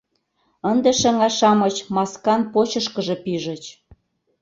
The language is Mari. Ынде шыҥа-шамыч маскан почышкыжо пижыч.